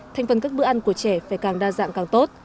thành phần các bữa ăn của trẻ phải càng đa dạng càng tốt